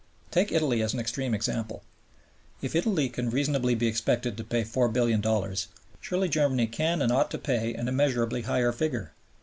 Take Italy as an extreme example. If Italy can reasonably be expected to pay $4,000,000,000, surely Germany can and ought to pay an immeasurably higher figure.